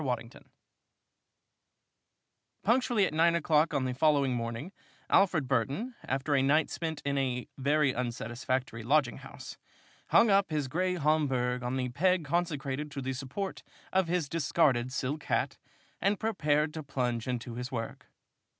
WADDINGTON Punctually at nine o'clock on the following morning, Alfred Burton, after a night spent in a very unsatisfactory lodging house, hung up his gray Homburg on the peg consecrated to the support of his discarded silk hat, and prepared to plunge into his work.